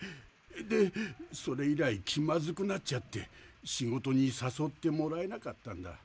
でそれ以来気まずくなっちゃって仕事にさそってもらえなかったんだ。